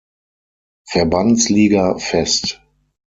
Verbandsliga fest.